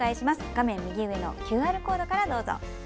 画面右上のＱＲコードからどうぞ！